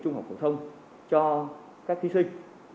trung học phổ thông cho các thí sinh